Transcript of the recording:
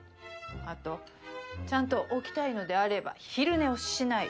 あとちゃんと起きたいのであれば昼寝をしない。